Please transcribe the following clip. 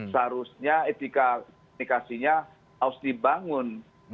seharusnya etika komunikasinya harus dibangun